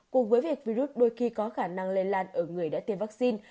cùng với việc virus đôi khi có khả năng lây lan ở người đã tiêm vaccine